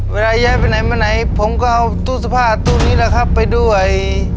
เวลาย้ายไปไหนผมก็เอาตู้สภาพตู้นี้ละครับไปด้วย